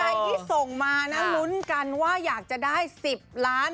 ที่ส่งมานะลุ้นกันว่าอยากจะได้๑๐ล้าน